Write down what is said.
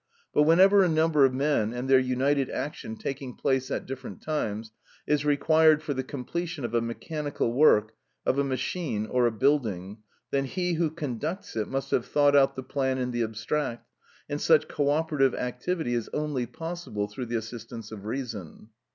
But whenever a number of men, and their united action taking place at different times, is required for the completion of a mechanical work, of a machine, or a building, then he who conducts it must have thought out the plan in the abstract, and such co operative activity is only possible through the assistance of reason.